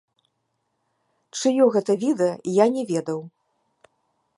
Чыё гэта відэа, я не ведаў.